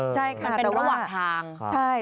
ใช่ค่ะแต่ว่ามันเป็นระหว่างทางใช่ค่ะ